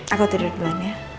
aku tidur duluan ya